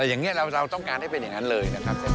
อย่างนี้เราต้องการให้เป็นอย่างนั้นเลยนะครับ